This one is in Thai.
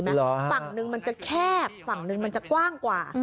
ฝั่งหนึ่งมันจะแคบฝั่งหนึ่งมันจะกว้างกว่า